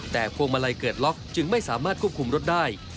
แต่พวงมาลัยเกิดล็อกจึงไม่สามารถควบคุมรถได้